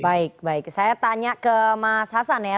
baik baik saya tanya ke mas hasan ya